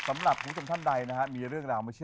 สำหรับคะลุงทุกคนท่านใดนะฮะ